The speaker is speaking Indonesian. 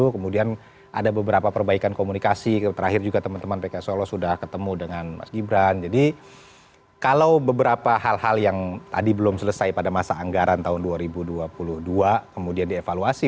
kemudian ada beberapa perbaikan komunikasi terakhir juga teman teman pks solo sudah ketemu dengan mas gibran jadi kalau beberapa hal hal yang tadi belum selesai pada masa anggaran tahun dua ribu dua puluh dua kemudian dievaluasi